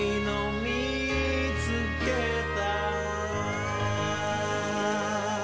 「みいつけた！」。